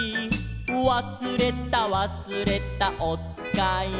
「わすれたわすれたおつかいを」